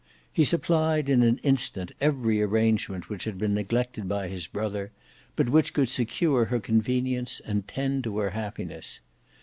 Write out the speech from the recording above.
He supplied in an instant every arrangement which had been neglected by his brother, but which could secure her convenience and tend to her happiness.